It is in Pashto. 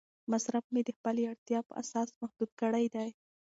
مصرف مې د خپلې اړتیا په اساس محدود کړی دی.